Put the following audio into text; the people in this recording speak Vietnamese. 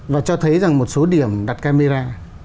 và cho thấy rằng một số điểm đặt camera